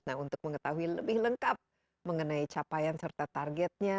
nah untuk mengetahui lebih lengkap mengenai capaian serta targetnya